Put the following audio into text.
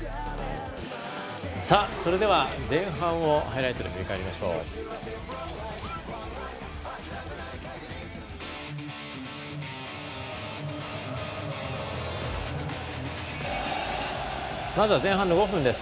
それでは、前半をハイライトで振り返ります。